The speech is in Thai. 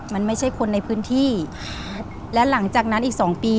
มันไม่ใช่คนในพื้นที่และหลังจากนั้นอีกสองปี